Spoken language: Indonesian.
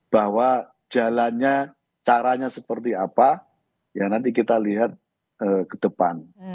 bahwa jalannya caranya seperti apa ya nanti kita lihat ke depan